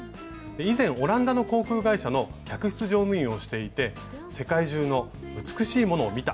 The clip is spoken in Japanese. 以前オランダの航空会社の客室乗務員をしていて世界中の美しいものを見た。